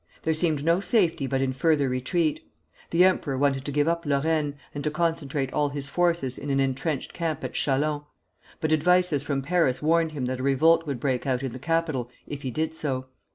There seemed no safety but in further retreat. The emperor wanted to give up Lorraine, and to concentrate all his forces in an intrenched camp at Châlons; but advices from Paris warned him that a revolt would break out in the capital if he did so.